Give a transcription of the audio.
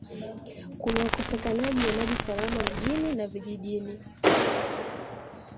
Kuna ukosekanaji wa maji salama mjini na vijijini